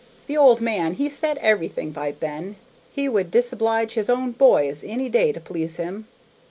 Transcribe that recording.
The old man, he set everything by Ben; he would disoblige his own boys any day to please him.